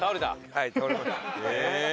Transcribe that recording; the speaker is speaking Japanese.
はい倒れました。